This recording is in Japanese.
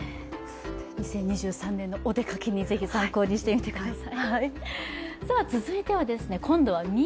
２０２３年のお出かけにぜひ参考にしてみてください。